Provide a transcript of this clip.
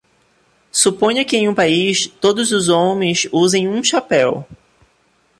Suponha que em um país todos os homens usem um chapéu.